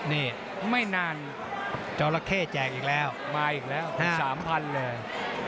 นี่ไม่นานจอราเข้แจกอีกแล้วมาอีกแล้วถึง๓๐๐เลย